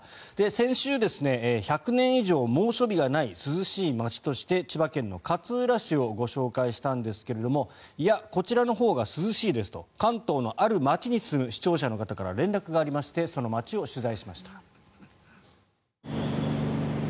先週、１００年以上猛暑日がない涼しい街として千葉県の勝浦市をご紹介したんですけどいやこちらのほうが涼しいですと関東のある街に住む視聴者の方から連絡がありましてその街を取材しました。